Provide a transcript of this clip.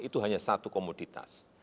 itu hanya satu komoditas